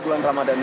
bulan ramadhan ini